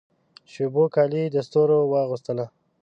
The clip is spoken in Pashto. شېبو کالي د ستورو واغوستله